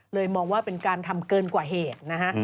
มองว่าเป็นการทำเกินกว่าเหตุนะฮะ